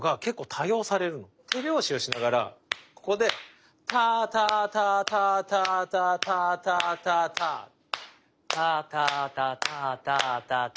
手拍子をしながらここでタタタタタタタタタタタタタタタタタタタタそうそうそうそう。